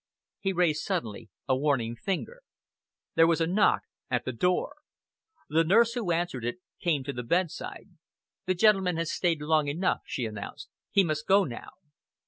He raised suddenly a warning finger. There was a knock at the door. The nurse who answered it came to the bedside. "The gentleman has stayed long enough," she announced. "He must go now!"